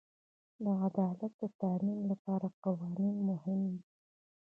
د عدالت د تامین لپاره قوانین مهم دي.